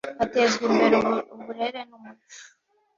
hatezwa imbere uburere n umuco